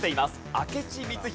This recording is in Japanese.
明智光秀。